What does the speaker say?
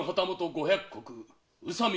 五百石宇佐美